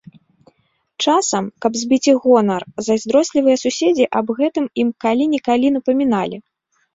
Часам, каб збіць іх гонар, зайздрослівыя суседзі аб гэтым ім калі-нікалі напаміналі.